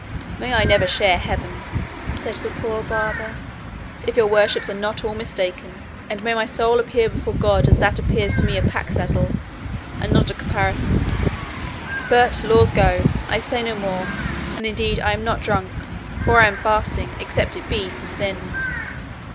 "May I never share heaven," said the poor barber, "if your worships are not all mistaken; and may my soul appear before God as that appears to me a pack saddle and not a caparison; but, 'laws go,' I say no more; and indeed I am not drunk, for I am fasting, except it be from sin."